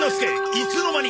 いつの間に！？